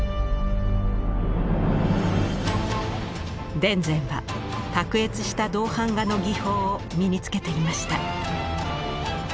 田善は卓越した銅版画の技法を身につけていました。